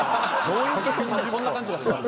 そんな感じがします。